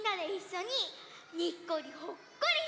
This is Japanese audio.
「にっこりほっこり」か。